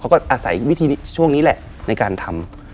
อาศัยวิธีช่วงนี้แหละในการทำ